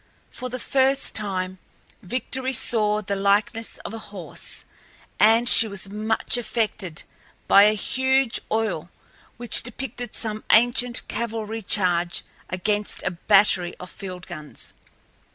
For the first time Victory saw the likeness of a horse, and she was much affected by a huge oil which depicted some ancient cavalry charge against a battery of field guns.